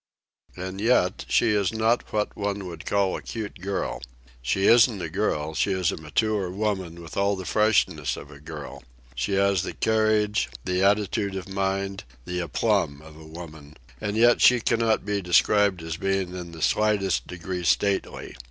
And yet she is not what one would call a cute girl. She isn't a girl, she is a mature woman with all the freshness of a girl. She has the carriage, the attitude of mind, the aplomb of a woman, and yet she cannot be described as being in the slightest degree stately.